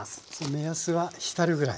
目安は浸るぐらい。